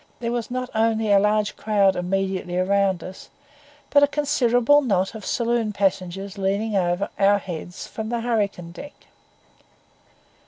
There was not only a large crowd immediately around us, but a considerable knot of saloon passengers leaning over our heads from the hurricane deck.